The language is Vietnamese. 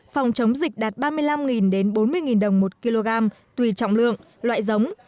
phòng chống dịch đạt ba mươi năm bốn mươi đồng một kg tùy trọng lượng loại giống